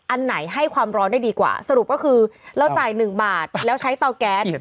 อันไหนให้ความร้อนได้ดีกว่าสรุปก็คือเราจ่าย๑บาทแล้วใช้เตาแก๊ส